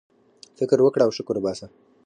فكر وكره او شكر وباسه!